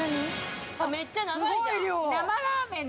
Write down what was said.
めっちゃ長いじゃん。